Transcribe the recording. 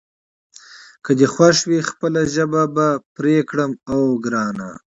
که دې خوښه وي خپله ژبه به پرې کړم، اوه ګرانه.